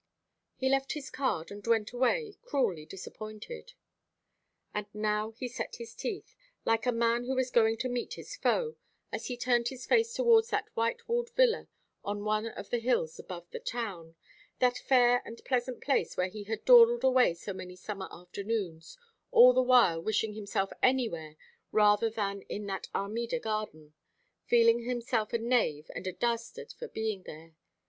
He left his card, and went away, cruelly disappointed. And now he set his teeth, like a man who is going to meet his foe, as he turned his face towards that white walled villa on one of the hills above the town, that fair and pleasant place where he had dawdled away so many summer afternoons, all the while wishing himself anywhere rather than in that Armida garden, feeling himself a knave and a dastard for being there.